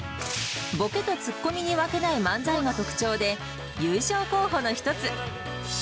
ボケとツッコミに分けない漫才が特徴で、優勝候補の一つ。